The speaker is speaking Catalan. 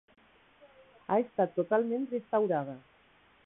Ha estat totalment restaurada.